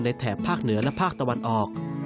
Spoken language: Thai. แถบภาคเหนือและภาคตะวันออก